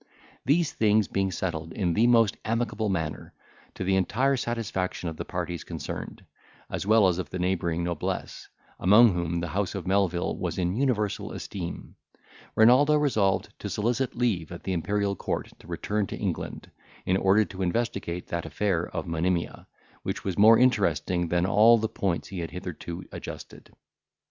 These things being settled in the most amicable manner, to the entire satisfaction of the parties concerned, as well as of the neighbouring noblesse, among whom the house of Melvil was in universal esteem, Renaldo resolved to solicit leave at the Imperial court to return to England, in order to investigate that affair of Monimia, which was more interesting than all the points he had hitherto adjusted.